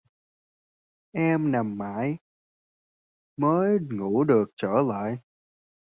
Em nằm mãi mới ngủ được trở lại